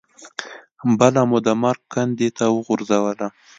بله مو د مرګ کندې ته وغورځوله.